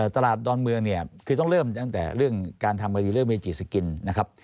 ตลาดดอนเมืองเนี่ยคือต้องเริ่มตั้งแต่เรื่องการทำคดีเรื่องเมจิสกินนะครับ